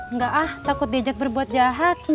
enggak ah takut diajak berbuat jahat